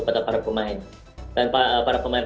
saya juga menarik dari thailand